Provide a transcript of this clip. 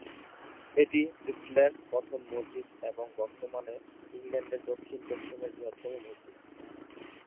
এটি ব্রিস্টলের প্রথম মসজিদ এবং বর্তমানে ইংল্যান্ডের দক্ষিণ-পশ্চিমের বৃহত্তম মসজিদ।